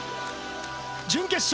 ・準決勝